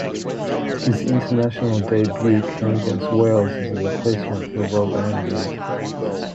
His international debut came against Wales as a replacement for Rob Andrew.